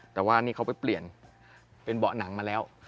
แต่ว่านี่เขาไปเปลี่ยนเป็นเบาะหนังมาแล้ว